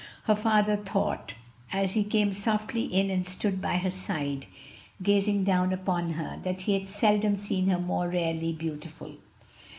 Her father thought, as he came softly in and stood at her side, gazing down upon her, that he had seldom seen her more rarely beautiful.